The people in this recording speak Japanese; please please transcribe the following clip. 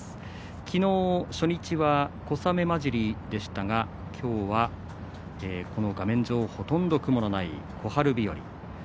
昨日、初日は小雨交じりでしたが今日はこの画面上ほとんど雲のない小春日和。